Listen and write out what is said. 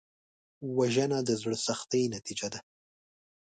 وژنه د زړه سختۍ نتیجه ده